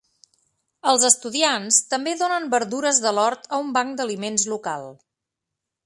Els estudiants també donen verdures de l'hort a un banc d'aliments local.